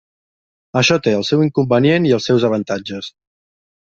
Això té el seu inconvenient i els seus avantatges.